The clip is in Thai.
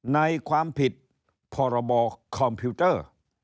ในความผิดพรบคอมพิวเตอร์